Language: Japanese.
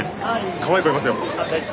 かわいい子いますよ。